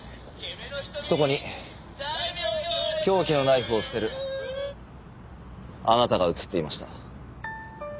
そこに凶器のナイフを捨てるあなたが映っていました。